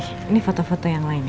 ini foto foto yang lainnya